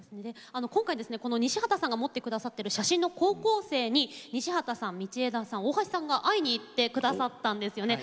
西畑さんが持ってくださっている写真の高校生に西畑さん、道枝さん大橋さんが会いに行ってくださったんですよね。